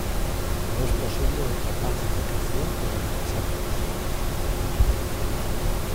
No es posible otra pacificación que la de las armas.